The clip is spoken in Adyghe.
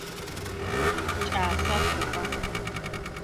Кӏасэ хъугъэ.